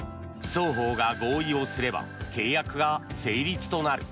双方が合意をすれば契約が成立となる。